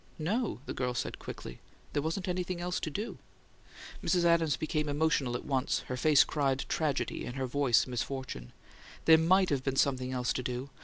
"No," the girl said, quickly. "There wasn't anything else to do." Mrs. Adams became emotional at once: her face cried tragedy, and her voice misfortune. "There MIGHT have been something else to do!